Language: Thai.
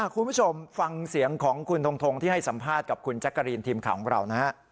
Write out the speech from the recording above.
คุณผู้ชมฟังเสียงของคุณทงที่ให้สัมภาษณ์กับคุณแจ๊กกะรีนทีมข่าวของเรานะฮะ